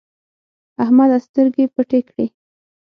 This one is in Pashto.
احمده سترګې پټې کړې.